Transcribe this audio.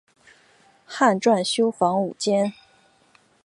汉纂修房五间。